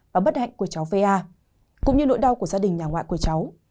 và bất hạnh của cháu va cũng như nỗi đau của gia đình nhà ngoại của cháu